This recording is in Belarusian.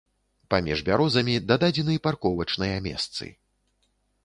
Паміж бярозамі дададзены парковачныя месцы.